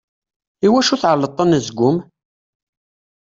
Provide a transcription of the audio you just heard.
I wacu tεelleḍt anezgum?